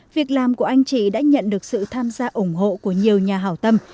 việc làm của anh chị đã nhận được sự tham gia ủng hộ của nhiều nhà hảo tâm